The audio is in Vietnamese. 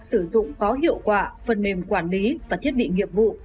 sử dụng có hiệu quả phần mềm quản lý và thiết bị nghiệp vụ